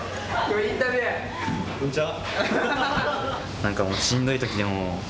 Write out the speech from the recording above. こんにちは。